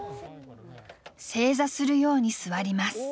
正座するように座ります。